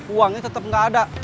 uangnya tetap gak ada